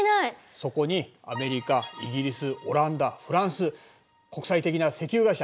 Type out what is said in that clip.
そこにアメリカイギリスオランダフランス国際的な石油会社